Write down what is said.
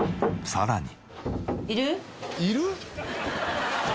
「さらに！？」